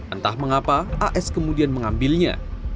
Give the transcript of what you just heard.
entah mengapa as kemudian mengambilnya